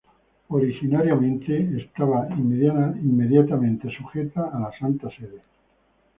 Originariamente era inmediatamente sujeta a la Santa Sede.